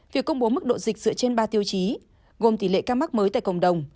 việc công bố mức độ dịch dựa trên ba tiêu chí gồm tỷ lệ ca mắc mới tại cộng đồng